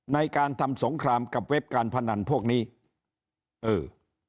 ในการทำสงครามกับเว็บการพนันพวกนี้เออ